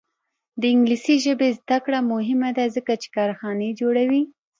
د انګلیسي ژبې زده کړه مهمه ده ځکه چې کارخانې جوړوي.